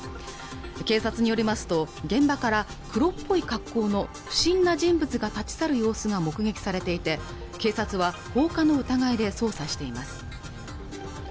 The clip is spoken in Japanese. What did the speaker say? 警察によりますと現場から黒っぽい格好の不審な人物が立ち去る様子が目撃されていて警察は放火の疑いで捜査しています